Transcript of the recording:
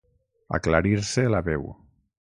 Aclarir-se la veu.